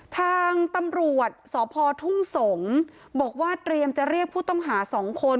ทางตำรวจสพทุ่งสงศ์บอกว่าเตรียมจะเรียกผู้ต้องหา๒คน